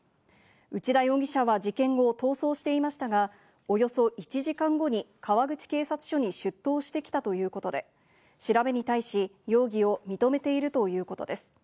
内田容疑者は事件後、逃走していましたが、およそ１時間後に川口警察署に出頭してきたということで、調べに対し、容疑を認めているということです。